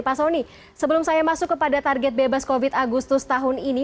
pak soni sebelum saya masuk kepada target bebas covid agustus tahun ini